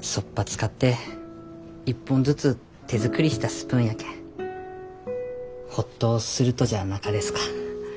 そっぱ使って１本ずつ手作りしたスプーンやけんホッとするとじゃなかですか。